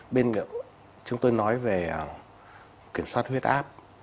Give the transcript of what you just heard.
bên chúng tôi nói về kiểm soát huyết áp